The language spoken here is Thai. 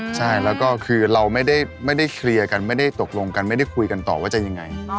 ใช่แล้วก็คือเราไม่ได้เคลียร์กันไม่ได้ตกลงกันไม่ได้คุยกันต่อว่าจะยังไง